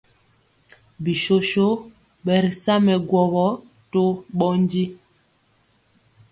Bisoso ɓɛ ri sa mɛ gwɔwɔ to ɓɔndi.